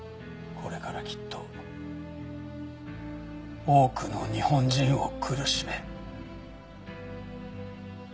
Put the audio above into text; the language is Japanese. これからきっと多くの日本人を苦しめる。